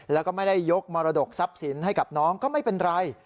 แล้วก็ไม่ได้ยกมรดกทรัพย์สินให้กับน้องก็ไม่เป็นไร